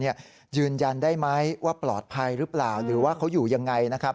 ยืนยันได้ไหมว่าปลอดภัยหรือเปล่าหรือว่าเขาอยู่ยังไงนะครับ